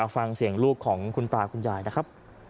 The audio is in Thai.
ฟังเสียงลูกของคุณตาคุณยายนะครับ